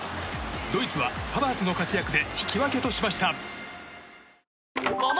ドイツは、ハバーツの活躍で引き分けとしました。